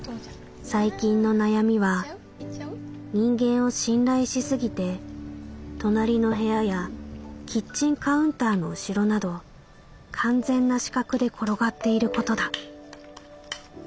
「最近の悩みは人間を信頼しすぎて隣の部屋やキッチンカウンターの後ろなど完全な死角で転がっていることだ」。